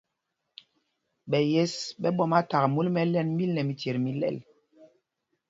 Ɓɛ yes ɓɛ̄ ɓɔ́ma thak múl mɛ ɛ́lɛ́nd míl nɛ michyet mi lɛl.